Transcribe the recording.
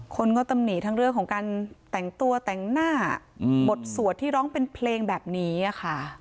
คนตำหนิการแตกตัวแตกหน้าบทสวรรค์ที่ร้องเป็นเพลงแบบนี้ค่ะ